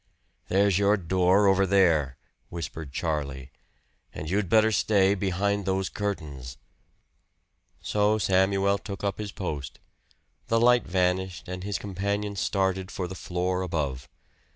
"There's your door over there," whispered Charlie. "And you'd better stay behind those curtains." So Samuel took up his post; the light vanished and his companion started for the floor above.